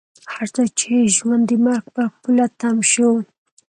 هر ځای چې ژوند د مرګ پر پوله تم شو.